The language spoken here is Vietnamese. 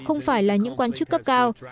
không phải là những quan chức cấp cao